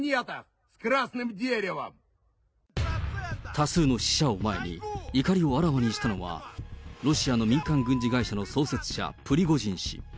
多数の死者を前に、怒りをあらわにしたのは、ロシアの民間軍事会社の創設者、プリゴジン氏。